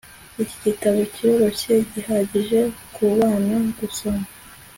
iki gitabo kiroroshye bihagije kubana gusoma